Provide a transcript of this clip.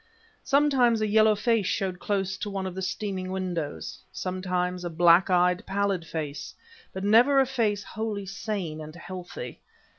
Sometimes a yellow face showed close to one of the streaming windows; sometimes a black eyed, pallid face, but never a face wholly sane and healthy.